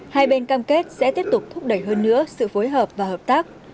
hai bên cam kết sẽ tiếp tục thúc đẩy hơn nữa sự phối hợp và hợp tác